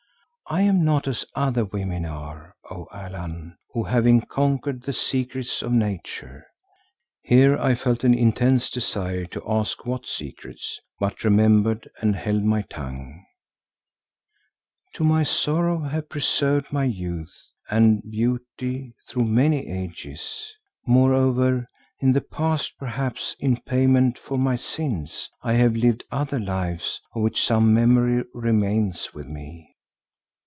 I am not as other women are, O Allan, who having conquered the secrets of Nature," here I felt an intense desire to ask what secrets, but remembered and held my tongue, "to my sorrow have preserved my youth and beauty through many ages. Moreover in the past, perhaps in payment for my sins, I have lived other lives of which some memory remains with me.